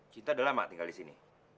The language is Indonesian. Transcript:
cinta udah lama tinggal disini